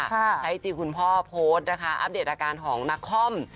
ใช้ไอจีคุณพ่อโพสต์นะคะอัปเดตอาการของนักคอม